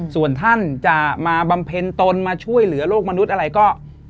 ส่วนท่านจะมาบำเพ็ญตนมาช่วยเหลือโลกมนุษย์อะไรก็